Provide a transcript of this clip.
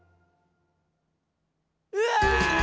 「うわ！